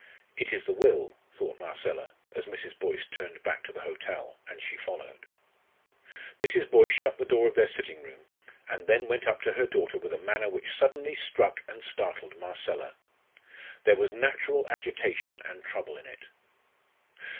"It is the will," thought Marcella, as Mrs. Boyce turned back to the hotel, and she followed. Mrs. Boyce shut the door of their sitting room, and then went up to her daughter with a manner which suddenly struck and startled Marcella. There was natural agitation and trouble in it.